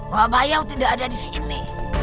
wabayau tidak ada di sini